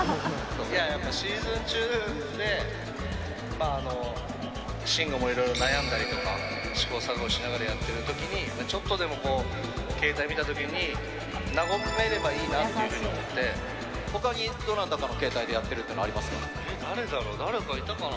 やっぱりシーズン中で、慎吾もいろいろ悩んだりとか、試行錯誤しながらやってるときにちょっとでもこう、携帯見たときに、和めればいいなというふうにほかにどなたかの携帯でやっ誰だろう、誰かいたかな。